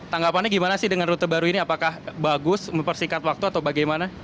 tanggapannya gimana sih dengan rute baru ini apakah bagus mempersingkat waktu atau bagaimana